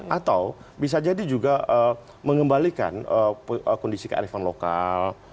atau bisa jadi juga mengembalikan kondisi kearifan lokal